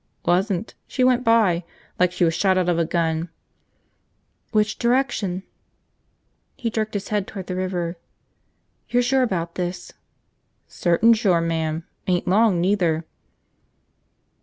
"Wasn't. She went by. Like she was shot out of a gun." "Which direction?" He jerked his head toward the river. "You're sure about this?" "Certain sure, ma'am. Ain't long, neither."